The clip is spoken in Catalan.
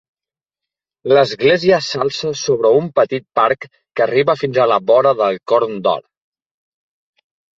L'església s'alça sobre un petit parc que arriba fins a la vora del Corn d'Or.